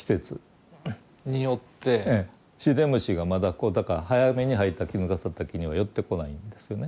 シデムシがまだこうだから早めに生えたキヌガサダケには寄ってこないんですよね。